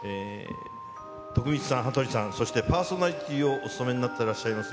徳光さん、羽鳥さん、そしてパーソナリティーをお務めになっていらっしゃいます